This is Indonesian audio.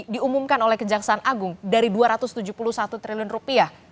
diumumkan oleh kejaksaan agung dari dua ratus tujuh puluh satu triliun rupiah